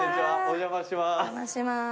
お邪魔します。